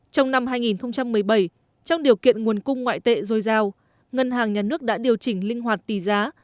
trong năm hai nghìn một mươi bảy trong điều kiện nguồn cung ngoại tệ dồi dào ngân hàng nhà nước đã điều chỉnh linh hoạt tỷ giá